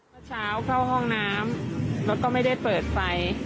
เมื่อเช้าเข้าห้องน้ำรถก็ไม่ได้เปิดไฟ